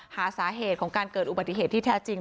หาสาเหตุของการเกิดอุบัติเหตุที่แท้จริง